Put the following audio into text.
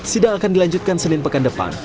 sidang akan dilanjutkan senin pekan depan